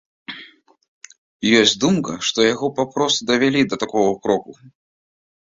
Ёсць думка, што яго папросту давялі да такога кроку.